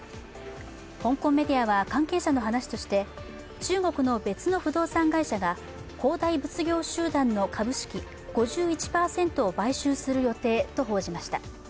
香港メディアは関係者の話として、中国の別の不動産会社が恒大物業集団の株式５１％を買収する予定と報じました。